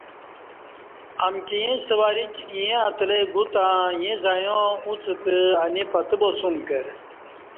امکی ییݩستہ وریک ایں اتلہ گوتہ ایں زعیاں اُݩڅ تہ انی پتہ باسوم کہ